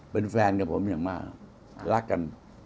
เป็นแฟนกับผมอย่างมากรักกัน